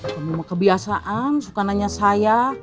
penerima kebiasaan suka nanya saya